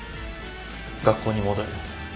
学校に戻る。